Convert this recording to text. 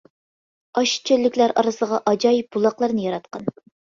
ئاشۇ چۆللۈكلەر ئارىسىغا ئاجايىپ بۇلاقلارنى ياراتقان.